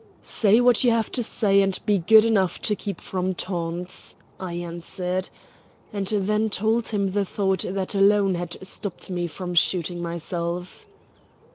"Say what you have to say, and be good enough to keep from taunts," I answered, and then told him the thought that alone had stopped me from shooting myself.